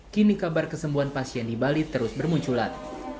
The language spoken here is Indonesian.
kini kabar kesembuhan pasien di bali terus bermunculan